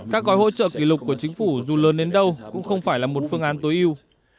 các gói hỗ trợ kỷ lục của chính phủ dù lớn đến đâu cũng không phải là một phương án tối yêu